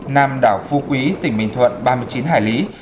nam đảo phu quý tỉnh bình thuận ba mươi chín hải lý